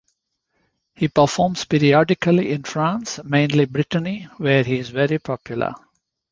He performs periodically in France, mainly Brittany where he is very popular.